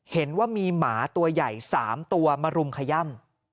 เห็นว่ามีหมาตัวใหญ่๓ตัวมารุมขย่ำ